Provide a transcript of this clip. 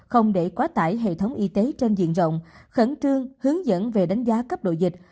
không để quá tải hệ thống y tế trên diện rộng khẩn trương hướng dẫn về đánh giá cấp độ dịch